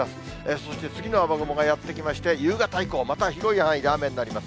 そして次の雨雲がやって来まして、夕方以降、また広い範囲で雨になります。